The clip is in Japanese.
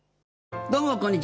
どうもこんにちは。